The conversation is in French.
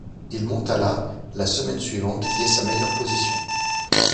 Il monte à la la semaine suivante, qui est sa meilleure position.